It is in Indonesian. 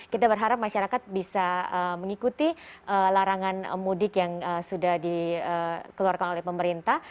kita berharap masyarakat bisa mengikuti larangan mudik yang sudah dikeluarkan oleh pemerintah